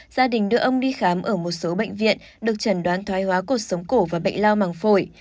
gia đình đưa ông đi khám ở một số bệnh viện được trần đoán thoái hóa cột sống cổ và bệnh lao màng phổi